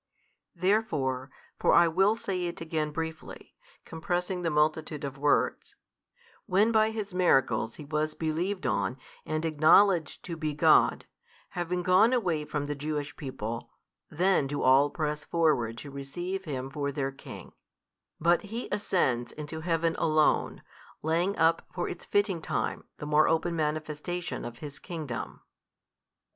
Therefore (for I will say it again briefly, compressing the multitude of words), when by His miracles He was believed on and acknowledged to be God, having gone away from the Jewish people, then do all press forward to receive Him for their King, but He ascends into Heaven Alone, laying up for its fitting time the more open manifestation of His Kingdom.